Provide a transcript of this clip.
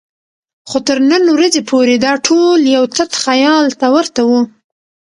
خو تر نن ورځې پورې دا ټول یو تت خیال ته ورته وو.